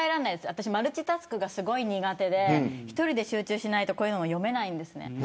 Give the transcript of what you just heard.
私マルチタスクがすごい苦手で１人で集中しないとこういうのも読めないんです。